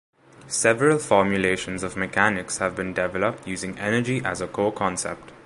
Several formulations of mechanics have been developed using energy as a core concept.